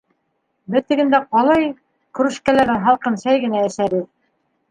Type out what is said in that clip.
Беҙ тегендә ҡалай крүшкәләрҙән һалҡын сәй генә әсәбеҙ.